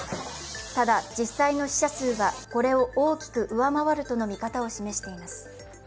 ただ、実際の死者数はこれを大きく上回るとの見方を示しています。